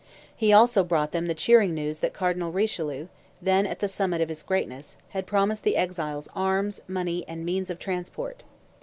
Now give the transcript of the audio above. He also brought them the cheering news that Cardinal Richelieu—then at the summit of his greatness—had promised the exiles arms, money, and means of transport.